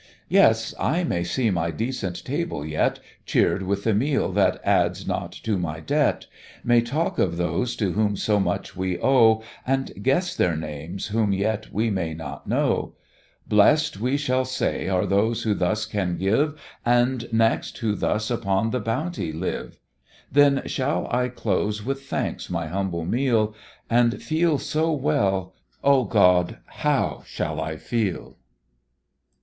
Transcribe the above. "Yes! I may see my decent table yet Cheer'd with the meal that adds not to my debt; May talk of those to whom so much we owe, And guess their names whom yet we may not know; Blest, we shall say, are those who thus can give, And next who thus upon the bounty live; Then shall I close with thanks my humble meal. And feel so well Oh, God! how shall I feel!"